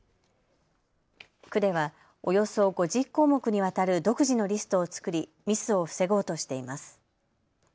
区ではおよそ５０項目にわたる独自のリストを作りミスを防ごうとしています。